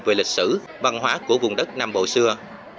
về lịch sử văn hóa của vùng đất nam bộ xưa